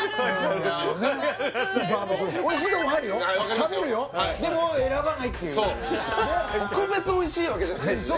食べるよでも選ばないっていう特別おいしいわけじゃないですね